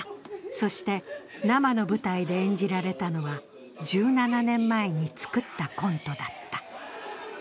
そして、生の舞台で演じられたのは１７年前に作ったコントだった。